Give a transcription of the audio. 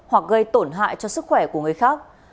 hoặc gây tổn hại cho sức khỏe của người khác